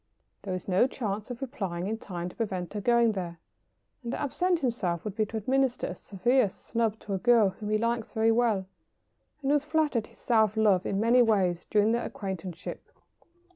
There is no chance of replying in time to prevent her going there, and to absent himself would be to administer a severe snub to a girl whom he likes very well, and who has flattered his self love in many ways during their acquaintanceship.